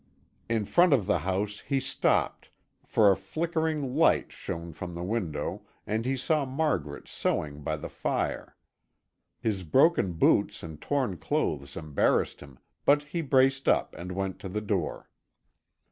In front of the house he stopped, for a flickering light shone from the window and he saw Margaret sewing by the fire. His broken boots and torn clothes embarrassed him, but he braced up and went to the door.